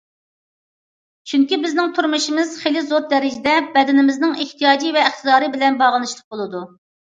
چۈنكى بىزنىڭ تۇرمۇشىمىز خېلى زور دەرىجىدە بەدىنىمىزنىڭ ئېھتىياجى ۋە ئىقتىدارى بىلەن باغلىنىشلىق بولىدۇ.